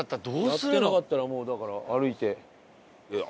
やってなかったらもうだから。